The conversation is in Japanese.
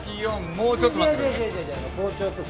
４もうちょっと待って。